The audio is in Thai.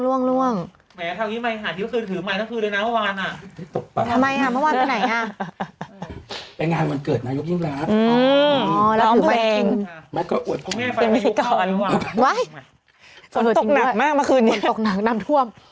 ไหนวะแท่วนี้ถือไหมละตั้งคืนเลยนะเมื่อวาน